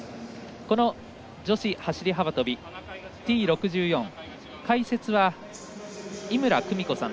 この女子走り幅跳びＴ６４、解説は井村久美子さん。